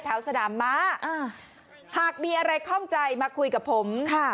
ท้าวสนามม้าหากมีอะไรข้อมใจมาคุยกับผมค่ะ